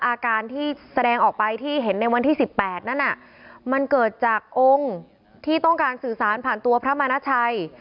อาการที่แสดงออกไปที่เห็นในวันที่๑๘นั้นมันเกิดจากองค์ที่ต้องการสื่อสารผ่านตัวพระมณชัย